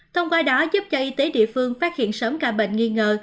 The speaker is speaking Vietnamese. thông qua đó giúp cho y tế địa phương phát hiện sớm ca bệnh nghi ngờ